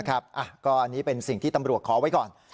อันนี้เป็นสิ่งที่ตำรวจขอไว้ก่อน